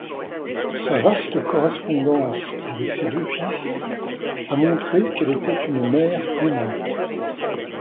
Sa vaste correspondance avec ses deux fils a montré qu'elle était une mère aimante.